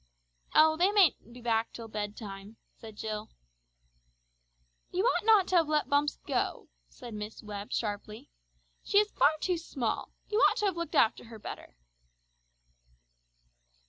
"Oh, they mayn't be back till bed time," said Jill. "You ought not to have let Bumps go," said Miss Webb sharply. "She is far too small. You ought to have looked after her better!"